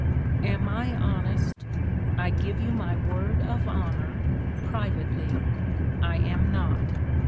— ^"Am I honest? I give you my word of honor (privately) I am not.